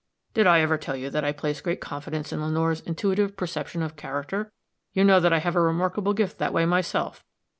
Did I ever tell you that I place great confidence in Lenore's intuitive perception of character? You know that I have a remarkable gift that way myself.